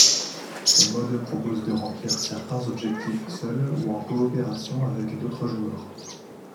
Ce mode propose de remplir certains objectifs seuls ou en coopération avec d'autres joueurs.